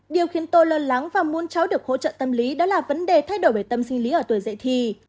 điều khiến tôi lo lắng và muốn cháu được hỗ trợ tâm lý đó là vấn đề thay đổi bởi tâm sinh lý ở tuổi dạy thi